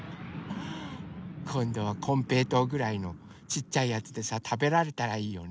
こんどはこんぺいとうぐらいのちっちゃいやつでさたべられたらいいよね。